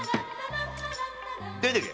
出てけ！